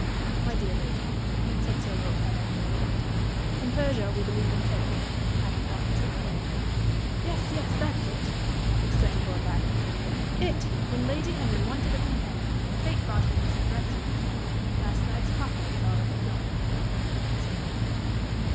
"My dear lady," said Sir Wilfrid, after a moment, "in Persia we believe in fate; I have brought the trick home." "Yes, yes, that's it!" exclaimed Lord Lackington it! When Lady Henry wanted a companion and fate brought her Miss Le Breton " "Last night's coffee was already drunk," put in Sir Wilfrid.